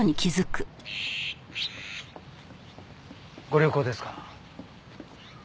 ご旅行ですか？